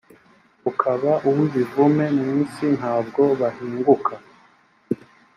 ukaba uw ibivume mu isi ntabwo bahinguka